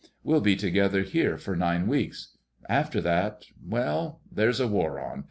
We'll be together here for nine weeks. After that—well, there's a war on.